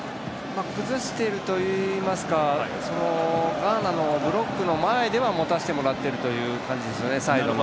崩しているといいますかガーナのブロックの前では持たせてもらっているという感じですよね、サイドの。